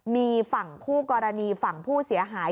มีฝั่งคู่กรณีฝั่งผู้เสียหาย